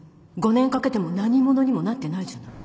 ５年かけても何者にもなってないじゃない